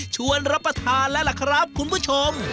ชวนรับประทานแล้วล่ะครับคุณผู้ชม